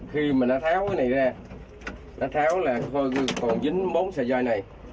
khi mà nó tháo cái này ra nó tháo là thôi còn dính bốn xe dài này